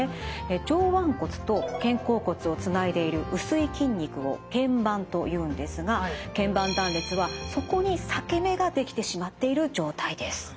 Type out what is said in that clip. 上腕骨と肩甲骨をつないでいる薄い筋肉をけん板というんですがけん板断裂はそこに裂け目が出来てしまっている状態です。